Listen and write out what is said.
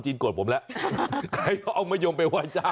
จะได้มีคนนิยมท่องชอบ